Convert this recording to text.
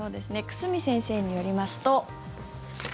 久住先生によりますと。